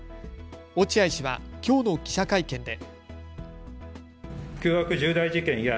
落合氏はきょうの記者会見で。